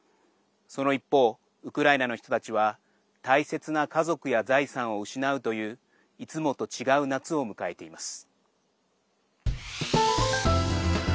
その一方、ウクライナの人たちは大切な家族や財産を失うといういつもと違う夏を迎えています。